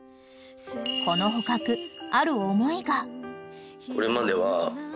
［この捕獲ある思いが］